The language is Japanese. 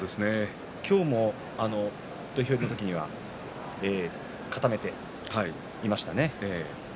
今日も土俵入りの時には固めていましたね。